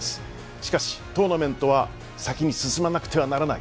しかし、トーナメントは先に進まなくてはならない。